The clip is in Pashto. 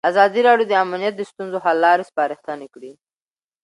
ازادي راډیو د امنیت د ستونزو حل لارې سپارښتنې کړي.